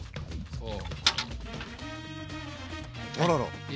そう。